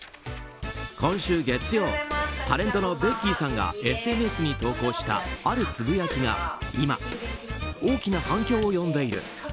今週月曜タレントのベッキーさんがＳＮＳに投稿したあるつぶやきが今、大きな反響を呼んでいる。